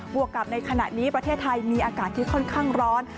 วกกับในขณะนี้ประเทศไทยมีอากาศที่ค่อนข้างร้อน